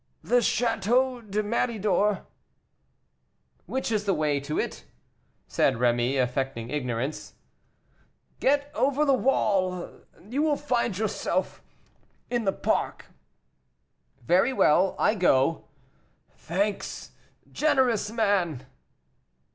"The château de Méridor." "Which is the way to it?" said Rémy, affecting ignorance. "Get over the wall, and you will find yourself in the park." "Very well; I go." "Thanks, generous man."